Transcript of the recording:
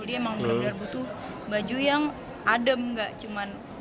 dia emang benar benar butuh baju yang adem nggak cuman